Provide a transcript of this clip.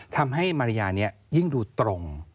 ทำให้มาริยานี้ยิ่งดูตรง